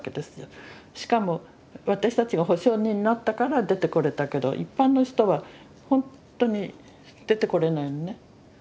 しかも私たちが保証人になったから出てこれたけど一般の人はほんとに出てこれないのね。